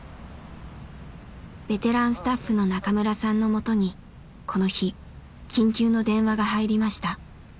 ベテランスタッフの中村さんのもとにこの日緊急の電話が入りました。